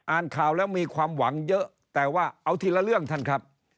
อ่านข่าวแล้วมีความหวังเยอะแต่ว่าเอาทีละเรื่องท่านครับ